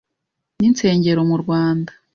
n’insengero mu Rwanda.